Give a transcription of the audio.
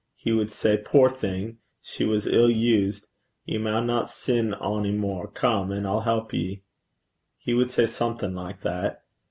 He wad say, "Poor thing! she was ill used. Ye maunna sin ony mair. Come, and I'll help ye." He wad say something like that.